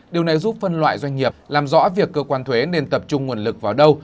điều này giúp phân loại doanh nghiệp làm rõ việc cơ quan thuế nên tập trung nguồn lực vào đâu